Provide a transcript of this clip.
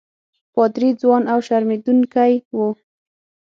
پادري ځوان او شرمېدونکی وو.